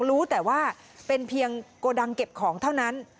รู้แต่ว่าเป็นเพียงโกดังเก็บของเท่านั้น